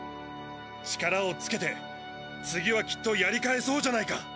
力をつけて次はきっとやり返そうじゃないか！